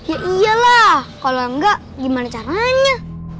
ya iyalah kalau enggak gimana caranya